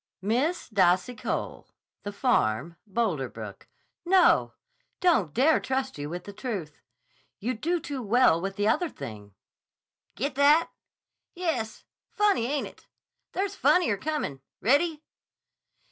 'Miss Dassy Cole, The Farm, Boulder Brook. No. Don't dare trust you with the truth. You do too well with the other thing' Get that?... yes's funny, ain't it? There's funnier comin'. Ready?...